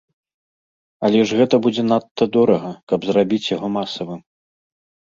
Але ж гэта будзе надта дорага, каб зрабіць яго масавым.